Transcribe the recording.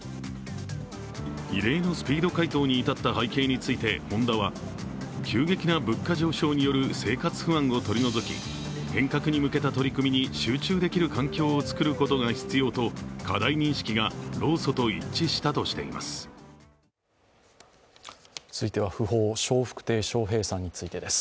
異例のスピード回答に至った背景について、ホンダは急激な物価上昇による生活不安を取り除き、変革に向けた取り組みに集中できる環境を作ることが必要と課題認識が労組と一致したとしています。